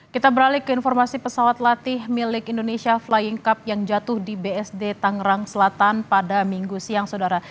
kita beralih ke informasi pesawat latih milik indonesia flying cup yang jatuh di bsd tangerang selatan pada minggu siang saudara